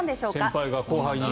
先輩が後輩に。